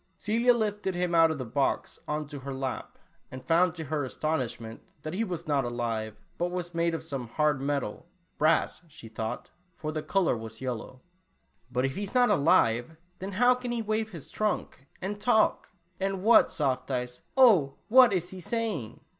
Celia lifted him out of the box on to her lap, and found to her aston ishment, that he was not alive, but was made of some hard metal — brass, she thought, for the color was yellow. " But, if he is not alive, then how can he wave his trunk and talk ? And what, Soft Eyes, oh, what is he saying?"